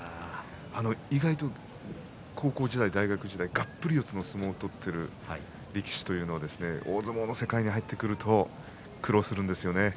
意外と高校時代、大学時代にがっぷり四つの相撲を取っているという力士というのは大相撲に入って苦労するんですよ。